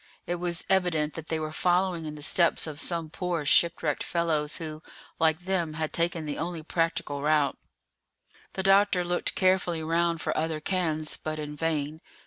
It was evident that they were following in the steps of some poor shipwrecked fellows who, like them, had taken the only practicable route. The doctor looked carefully round for other cairns, but in vain.